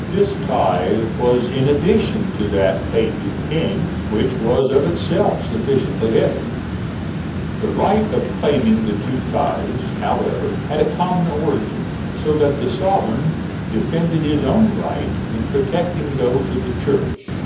This tithe was in addition to that paid to the King, which was of itself sufficiently heavy. The right of claiming the two tithes, however, had a common origin, so that the sovereign defended his own rights in protecting those of the Church.